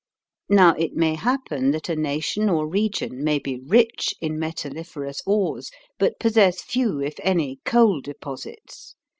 Now it may happen that a nation or region may be rich in metalliferous ores, but possess few, if any, coal deposits.